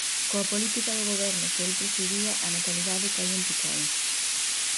Coa política do goberno que el presidía, a natalidade caía en picado.